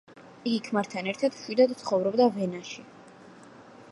იგი ქმართან ერთად მშვიდად ცხოვრობდა ვენაში.